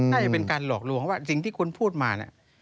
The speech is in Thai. ถ้าอย่างเป็นการหลอกลวงว่าสิ่งที่คุณพูดมา